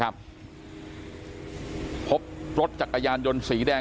กลุ่มตัวเชียงใหม่